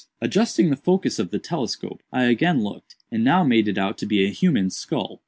Adjusting the focus of the telescope, I again looked, and now made it out to be a human skull.